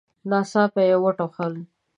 ناڅاپه يې وټوخل.